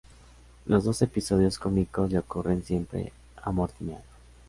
Los episodios cómicos le ocurren siempre a Mortimer.